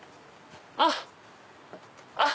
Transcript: あっあっ。